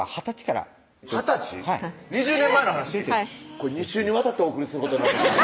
これ２週にわたってお送りすることになると